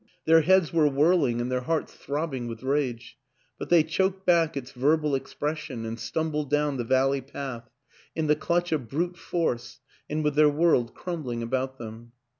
Their heads were whirling and their hearts throbbing with rage; but they choked back its verbal expression and stumbled down the valley path in the clutch of brute force and with their world crumbling about them.